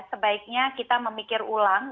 sebaiknya kita memikir ulang